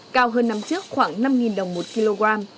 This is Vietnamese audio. cao hơn năm trước khoảng năm đồng một kg